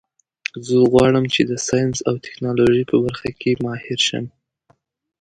زه غواړم چې د ساینس او ټکنالوژۍ په برخه کې ماهر شم